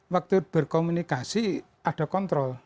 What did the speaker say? waktu berkomunikasi ada kontrol